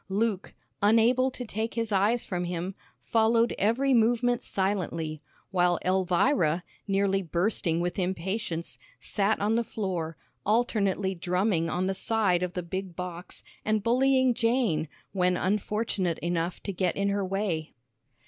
Luke, unable to take his eyes from him, followed every movement silently, while Elvira, nearly bursting with impatience, sat on the floor, alternately drumming on the side of the big box and bullying Jane, when unfortunate enough to get in her way.